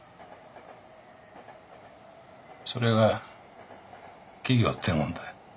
それが企業ってもんだ。